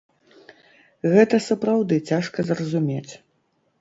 Гэта сапраўды цяжка зразумець.